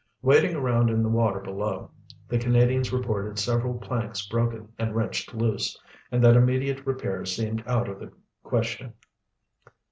Wading around in the water below, the Canadians reported several planks broken and wrenched loose, and that immediate repairs seemed out of the question.